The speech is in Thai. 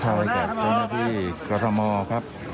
ก็รักษาให้กับตัวหน้าพี่เกาะธมอค์ครับ